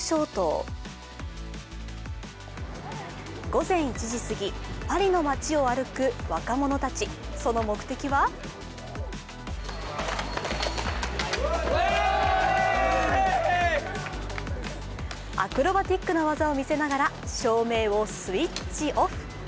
午前１時過ぎ、パリの街を歩く若者たち、その目的はアクロバティックな技を見せながら照明をスイッチオフ。